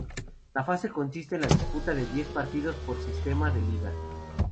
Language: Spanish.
La fase consiste en la disputa de diez partidos por sistema de liga.